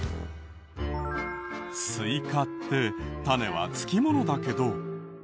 スイカって種は付きものだけど。